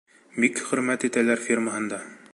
Бик хөрмәт итәләр фирмаһында.